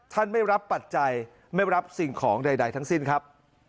ไม่รับปัจจัยไม่รับสิ่งของใดทั้งสิ้นครับ